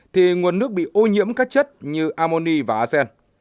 thì nguồn nước bị ô nhiễm các chất như ammoni và arsen